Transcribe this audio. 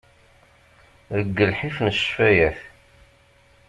Deg llḥif n ccfayat.